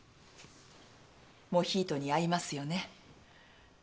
モヒートに合いますよね？